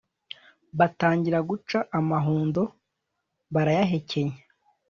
batangira guca amahundo barayahekenya .